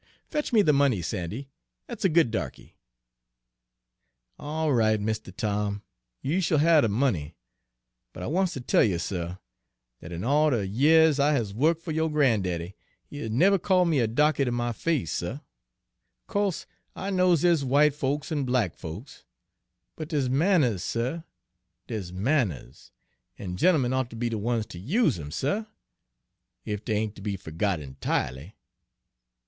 Fetch me the money, Sandy, that's a good darky!" "All right, Mistuh Tom, you shill have de money; but I wants ter tell you, suh, dat in all de yeahs I has wo'ked fer yo' gran'daddy, he has never called me a 'darky' ter my face, suh. Co'se I knows dere's w'ite folks an' black folks, but dere's manners, suh, dere's manners, an' gent'emen oughter be de ones ter use 'em, suh, ef dey ain't ter be fergot enti'ely!"